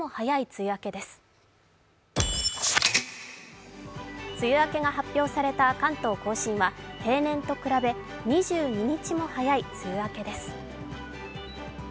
梅雨明けが発表された関東甲信は平年と比べ２２日も早い梅雨明けです。